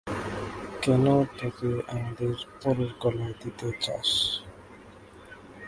কেন তবে আমাদের পরের গলায় দিতে চাস?